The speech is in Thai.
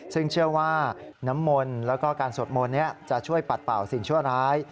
ซึ่งเชื่อว่าน้ำมนต์แล้วก็การสวดมนต์จะช่วยปัดเป่าสิ่งชั่วร้าย